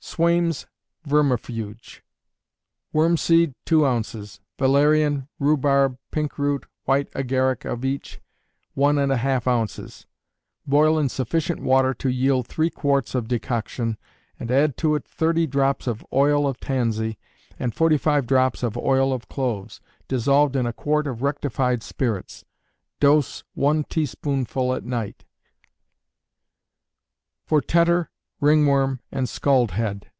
Swaim's Vermifuge. Wormseed, two ounces: valerian, rhubarb, pink root, white agaric, of each, one and a half ounces; boil in sufficient water to yield three quarts of decoction, and add to it thirty drops of oil of tansy, and forty five drops of oil of cloves, dissolved in a quart of rectified spirits. Dose, one teaspoonful at night. _For Tetter, Ringworm, and Scald Head.